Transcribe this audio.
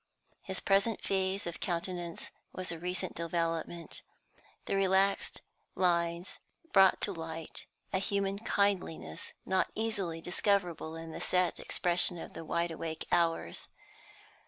His present phase of countenance was a recent development; the relaxed lines brought to light a human kindliness not easily discoverable in the set expression of wide awake hours.